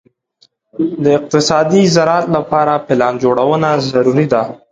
د اقتصادي زراعت لپاره پلان جوړونه ضروري ده.